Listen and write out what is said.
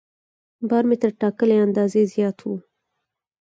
بار مې تر ټاکلي اندازې زیات و.